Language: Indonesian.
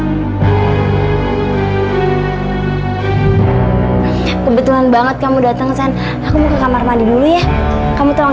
kamu tuh ya aksen kebetulan banget kamu datang sen aku mau ke kamar mandi dulu ya kamu tolong